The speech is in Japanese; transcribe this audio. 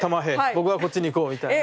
僕はこっちに行こうみたいな。